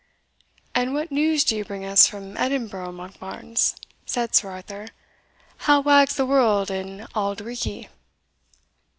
"And what news do you bring us from Edinburgh, Monkbarns?" said Sir Arthur; "how wags the world in Auld Reekie?"